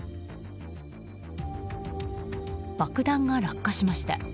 爆弾が落下しました。